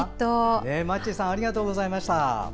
マッチーさんありがとうございました。